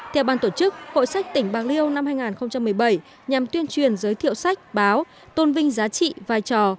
theo ban tổ chức hội sách tỉnh bạc liêu năm hai nghìn một mươi bảy nhằm tuyên truyền giới thiệu sách báo tôn vinh giá trị vai trò